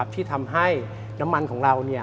ที่ทำให้น้ำมันของเรา